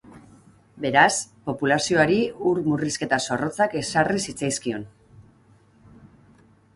Beraz, populazioari ur murrizketa zorrotzak ezarri zitzaizkion.